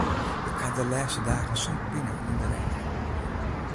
Ik ha de lêste dagen sa'n pine yn de rêch.